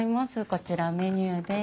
こちらメニューです。